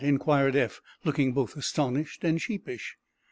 inquired Eph, looking both astonished and sheepish.